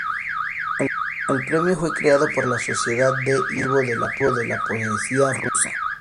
El premio fue creado por la Sociedad de incentivo de la poesía rusa.